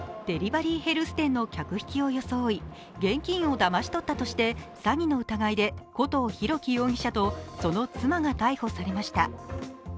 デリバリーヘルス店の客引きを装い現金をだまし取ったとして詐欺の疑いで古藤大樹容疑者とその妻が逮捕されました。